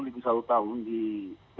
lebih selalu tahun di pt gti